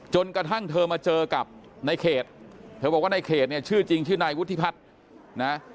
จนกระทั่งเธอมาเจอกับในเขตเธอบอกว่าในเขตเนี่ยชื่อจริงชื่อนายวุฒิพัฒน์นะ